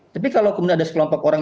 tapi kalau kemudian ada sekelompok orang